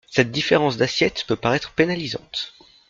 Cette différence d’assiette peut paraître pénalisante.